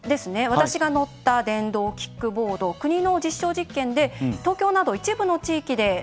私が乗った電動キックボード国の実証実験で東京など一部の地域でレンタルすることができます。